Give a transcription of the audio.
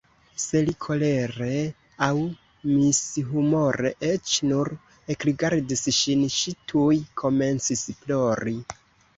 Se li kolere aŭ mishumore eĉ nur ekrigardis ŝin, ŝi tuj komencis plori.